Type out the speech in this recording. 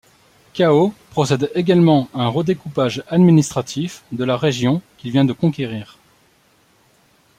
Cao procède également à un redécoupage administratif de la région qu'il vient de conquérir.